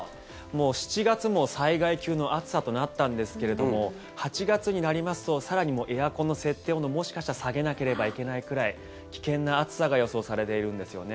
もう７月も災害級の暑さとなったんですけれども８月になりますと更にエアコンの設定温度もしかしたら下げなければいけないくらい危険な暑さが予想されているんですよね。